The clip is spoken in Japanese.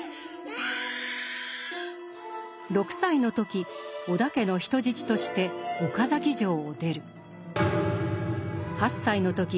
６歳の時織田家の人質として岡崎城を出る。